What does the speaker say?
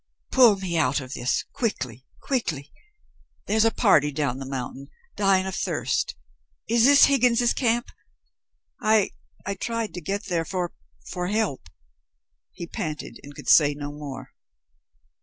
"Pull me out of this quickly quickly there's a party down the mountain dying of thirst. Is this Higgins' Camp? I I tried to get there for for help." He panted and could say no more.